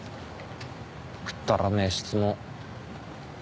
くっだらねえ質問。